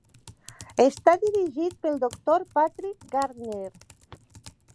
Està dirigit pel doctor Patrick Gardner.